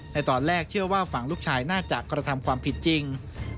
ในตอนแรกเชื่อว่าฝั่งลูกชายน่าจะกระทำความผิดจริง